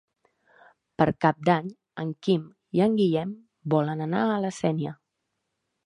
Per Cap d'Any en Quim i en Guillem volen anar a la Sénia.